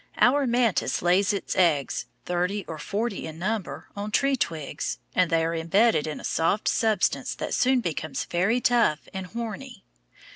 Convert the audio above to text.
Our mantis lays its eggs, thirty or forty in number, on tree twigs, and they are embedded in a soft substance that soon becomes very tough and horny.